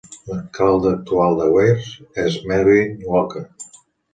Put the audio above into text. L'alcalde actual de Weirs és Mervin Walker.